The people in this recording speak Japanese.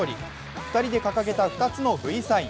２人で掲げた２つのＶサイン。